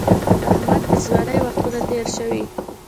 د احمد د ځوانۍ وختونه تېر شوي